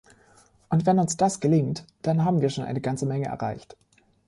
Und wenn uns das gelingt, dann haben wir schon eine ganze Menge erreicht.